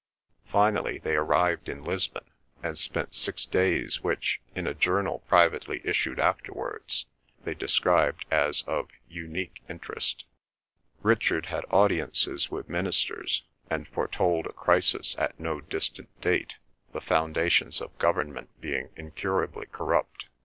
Finally they arrived in Lisbon and spent six days which, in a journal privately issued afterwards, they described as of "unique interest." Richard had audiences with ministers, and foretold a crisis at no distant date, "the foundations of government being incurably corrupt.